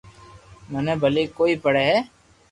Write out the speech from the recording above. مني پلي ڪوئي پڙي ھي